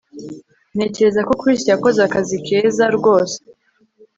Ntekereza ko Chris yakoze akazi keza rwose